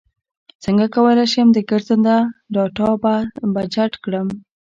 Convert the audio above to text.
څنګه کولی شم د ګرځنده ډاټا بچت کړم